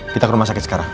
kita ke rumah sakit sekarang